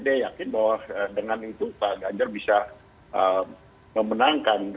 dia yakin bahwa dengan itu pak ganjar bisa memenangkan